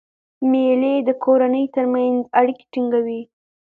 مېلې د کورنۍ ترمنځ اړیکي ټینګوي.